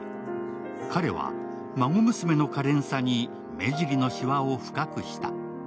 彼は孫娘の可憐さに目尻のしわを深くした。